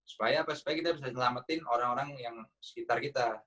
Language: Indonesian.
supaya kita bisa selamatin orang orang yang sekitar kita